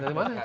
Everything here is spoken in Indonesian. dari mana itu